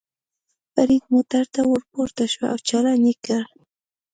فرید موټر ته ور پورته شو او چالان یې کړ.